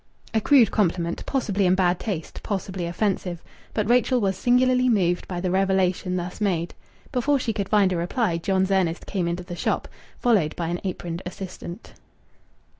A crude compliment, possibly in bad taste, possibly offensive; but Rachel was singularly moved by the revelation thus made. Before she could find a reply John's Ernest came into the shop, followed by an aproned assistant.